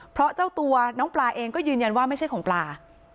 เพราะเจ้าตัวน้องปลาเองก็ยืนยันว่าไม่ใช่ของปลา